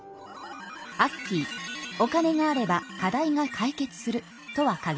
アッキーお金があれば課題が解決するとは限りません。